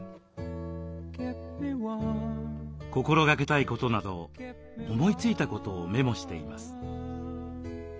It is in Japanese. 心がけたいことなど思いついことをメモしています。